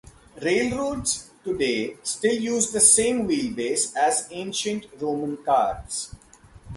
Railroads, today, still use the same wheelbase as ancient Roman carts.